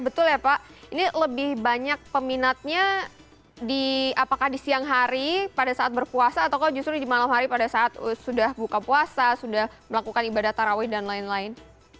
betul ya pak ini lebih banyak peminatnya apakah di siang hari pada saat berpuasa atau justru di malam hari pada saat sudah buka puasa sudah melakukan ibadah tarawih dan lain lain